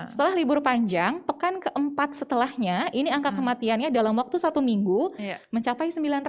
setelah libur panjang pekan keempat setelahnya ini angka kematiannya dalam waktu satu minggu mencapai sembilan ratus